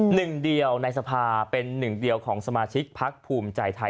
หนึ่งเดียวในสภาเป็นหนึ่งเดียวของสมาชิกพักภูมิใจไทย